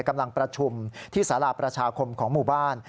กำลังประชุมที่สาราประชาคมของหมู่บ้าน